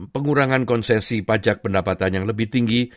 pengurangan konsesi pajak pendapatan yang lebih tinggi